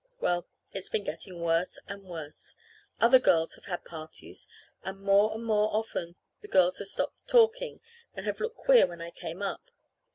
Well, it's been getting worse and worse. Other girls have had parties, and more and more often the girls have stopped talking and have looked queer when I came up.